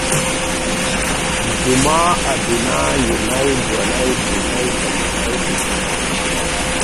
جومه ادینه یونۍ دونۍ درېنۍ څلورنۍ پنځنۍ